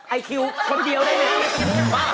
ไอ้คิวคนเดียวได้ไหม